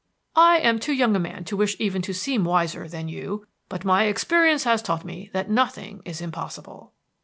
"I am too young a man to wish even to seem wiser than you, but my experience has taught me that nothing is impossible."